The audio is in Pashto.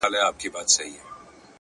• هغه ولس چي د ،